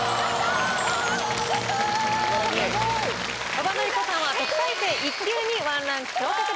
馬場典子さんは特待生１級に１ランク昇格です。